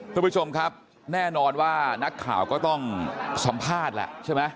คุณผู้ชมครับแน่นอนว่านักข่าวก็ต้องสัมภาษณ์แหละใช่ไหม